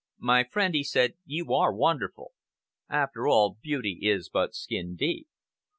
"My friend," he said, "you are wonderful! After all, beauty is but skin deep!